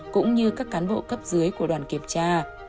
cũng như các cán bộ cấp dưới của đoàn kiểm tra